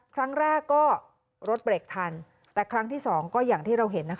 ครั้งแรกก็รถเบรกทันแต่ครั้งที่สองก็อย่างที่เราเห็นนะคะ